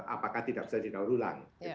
apakah tidak bisa didaur ulang